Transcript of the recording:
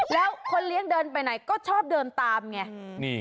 แล้วคนเลี้ยงเดินไปไหนก็ชอบเดินตามไง